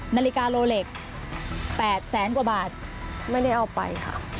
แน่นะแน่ใจ